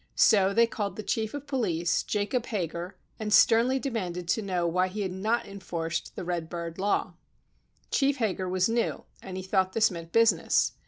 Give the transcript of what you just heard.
So they called the Chief of Police, Jacob Haeger, and sternly demanded to know why he had not enforced the red bird law. Chief Haeger was new and he thought this meant business.